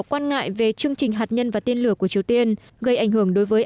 quan ngại về chương trình hạt nhân và tiên lửa của triều tiên gây ảnh hưởng đối với